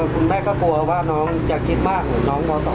คุณแม่ก็กลัวว่าน้องจะคิดบ้างหรือน้องเขาต่อ